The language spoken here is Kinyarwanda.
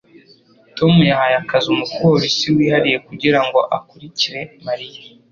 Tom yahaye akazi umupolisi wihariye kugira ngo akurikire Mariya.